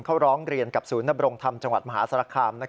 เขาร้องเรียนกับศูนย์นบรงธรรมจังหวัดมหาสารคาม